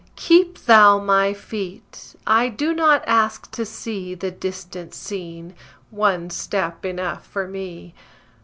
Keep Thou my feet; I do not ask to see The distant scene; one step enough for me.